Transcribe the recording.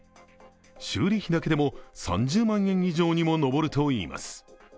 修理費だけでも３０万円以上にも上るといいます。